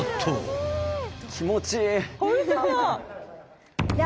気持ちいい。